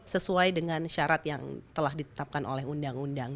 sesuai dengan syarat yang telah ditetapkan oleh undang undang